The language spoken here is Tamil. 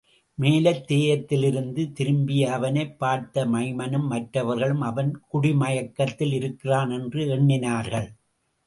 மேலைத் தேயத்திலிருந்து திரும்பிய அவனைப் பார்த்த மைமனும் மற்றவர்களும், அவன் குடிமயக்கத்தில் இருக்கிறான் என்று எண்ணினார்கள்.